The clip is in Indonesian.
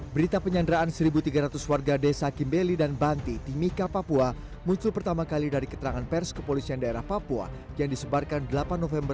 berita penyanderaan satu tiga ratus warga desa kimbeli dan banti timika papua muncul pertama kali dari keterangan pers kepolisian daerah papua yang disebarkan delapan november